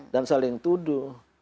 dan saling tuduh